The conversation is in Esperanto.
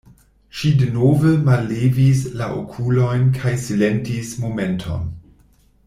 Ŝi denove mallevis la okulojn kaj silentis momenton.